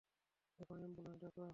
এখনই অ্যাম্বুলেন্স ডাকো।